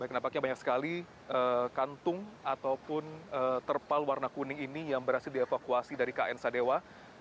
nampaknya banyak sekali kantung ataupun terpal warna kuning ini yang berhasil dievakuasi dari kn sadewa